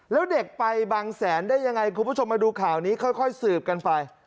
แล้วเด็กไปบางแสนได้ยังไงคุณผู้ชมมาดูข่าวนี้ค่อยสืบกันไป